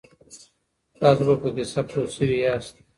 تاسو به په کیسه پوه سوي یاست.